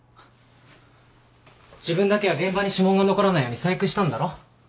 自分だけは現場に指紋が残らないように細工したんだろ？